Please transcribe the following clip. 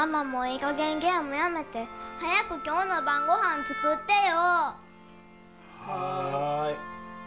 かげん、ゲームやめて、早くきょうの晩ごはん作ってよ。